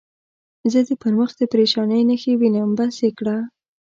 زه دې پر مخ د پرېشانۍ نښې وینم، بس یې کړه.